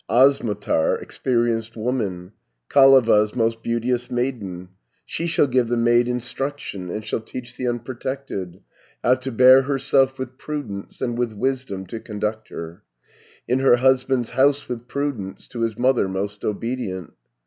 Osmotar, experienced woman, Kaleva's most beauteous maiden; She shall give the maid instruction, And shall teach the unprotected How to bear herself with prudence, And with wisdom to conduct her, 10 In her husband's house with prudence, To his mother most obedient.